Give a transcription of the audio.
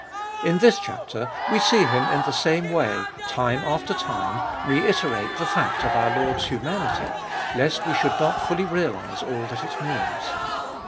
In this chapter we see him in the same way, time after time, reiterate the fact of our Lord's .humanity, lest we should not fully realise all that it means.